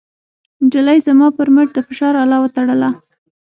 نجلۍ زما پر مټ د فشار اله وتړله.